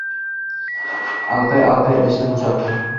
Alqay-alqay idishini boʻshatdi.